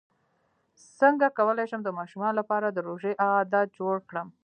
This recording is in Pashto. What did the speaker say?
څنګه کولی شم د ماشومانو لپاره د روژې عادت جوړ کړم